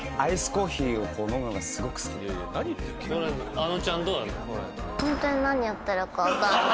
あのちゃんどう？